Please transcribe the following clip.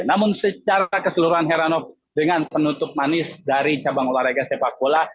namun secara keseluruhan heranov dengan penutup manis dari cabang olahraga sepak bola